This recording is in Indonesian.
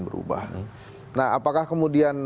berubah nah apakah kemudian